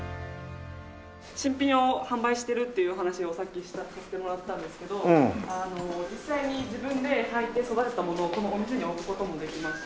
新品を販売してるっていう話をさっきさせてもらったんですけど実際に自分ではいて育てたものをこのお店に置く事もできまして。